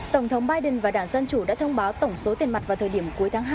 tổng thống biden và đảng dân chủ đã thông báo tổng số tiền mặt vào thời điểm cuối tháng hai